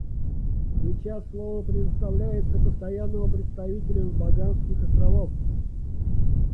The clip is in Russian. Сейчас слово предоставляется Постоянному представителю Багамских Островов.